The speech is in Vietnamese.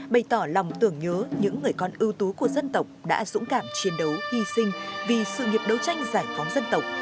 bày tỏ lòng tưởng nhớ những người con ưu tú của dân tộc đã dũng cảm chiến đấu hy sinh vì sự nghiệp đấu tranh giải phóng dân tộc